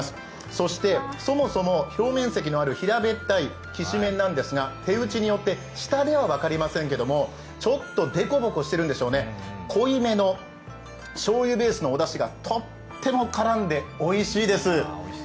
そしてそもそも表面積のある平べったいきしめんなんですが手打ちによって舌では分かりませんですけれどもちょっとでこぼこしてるんでしょうね、濃いめのしょうゆベースのおだしがとっても絡んでおいしいです。